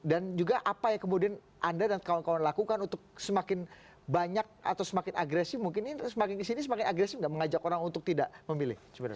juga apa yang kemudian anda dan kawan kawan lakukan untuk semakin banyak atau semakin agresif mungkin ini semakin kesini semakin agresif nggak mengajak orang untuk tidak memilih